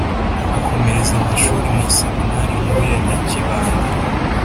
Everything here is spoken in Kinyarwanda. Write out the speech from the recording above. akomereza amashuri mu iseminari nkuru ya Nyakibanda